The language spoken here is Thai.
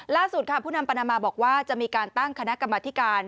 ล่าสุดค่ะผู้นำปานามาบอกว่าจะมีการตั้งคณะกรรมธิการ